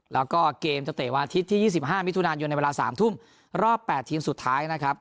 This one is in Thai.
แล้วก็เกมจะเตะวันอาทิตย์ที่๒๕มิถุนายนในเวลา๓ทุ่มรอบ๘ทีมสุดท้ายนะครับ